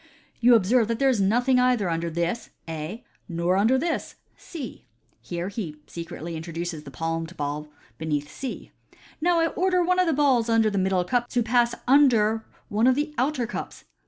" You observe that there is nothing either under this (A), nor under this (C)." Here he secretly introduces the palmed ball beneath C. " Now I order one of the balls under the middle cup to pass under one of the outer cups.